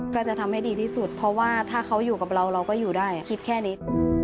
ก็จะทำให้ดีที่สุดเพราะว่าถ้าเขาอยู่กับเราเราก็อยู่ได้คิดแค่นี้